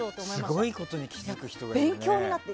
すごいことに気付く人がいるね。